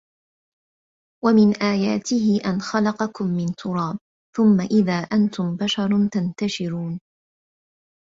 ومن آياته أن خلقكم من تراب ثم إذا أنتم بشر تنتشرون